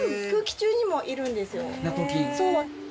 そう。